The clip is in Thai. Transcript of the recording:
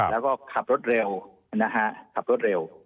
แล้วก็ขับรถเร็วนะฮะขับรถเร็ว